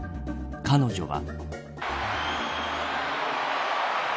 彼女は。